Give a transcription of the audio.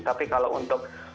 tapi kalau untuk